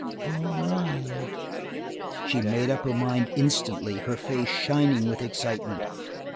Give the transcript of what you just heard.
"All right." She made up her mind instantly, her face shining with excitement.